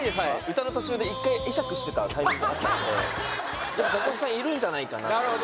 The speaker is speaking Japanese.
歌の途中で１回会釈してたタイミングがあったのでザコシさんいるんじゃないかなっていう